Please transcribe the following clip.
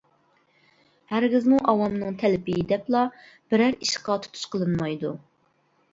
ھەرگىزمۇ ئاۋامنىڭ تەلىپى دەپلا، بىرەر ئىشقا تۇتۇش قىلىنمايدۇ.